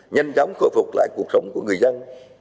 nhanh chóng khôi phục lại cuộc sống của người dân